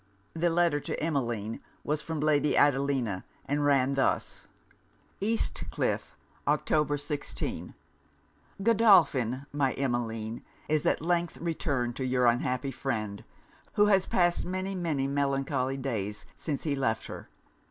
The letter to Emmeline was from Lady Adelina, and ran thus. East Cliff, Oct. 16. 'Godolphin, my Emmeline, is at length returned to your unhappy friend, who has passed many, many melancholy days since he left her.